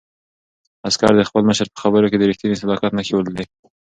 عسکر د خپل مشر په خبرو کې د رښتیني صداقت نښې ولیدلې.